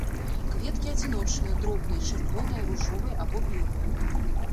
Кветкі адзіночныя, дробныя, чырвоныя, ружовыя або белыя.